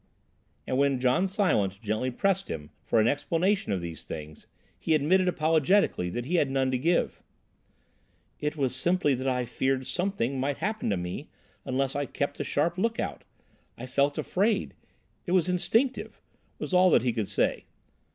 And, when John Silence gently pressed him for an explanation of these things, he admitted apologetically that he had none to give. "It was simply that I feared something might happen to me unless I kept a sharp look out. I felt afraid. It was instinctive," was all he could say.